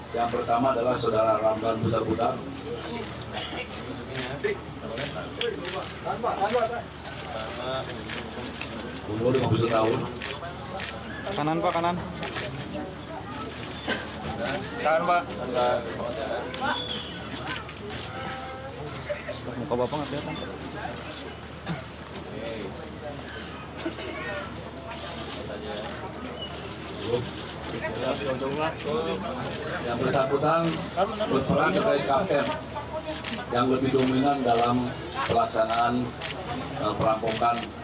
yang bersangkutan berperan sebagai kapten yang lebih dominan dalam pelaksanaan perampokan